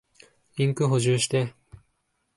インク補充して。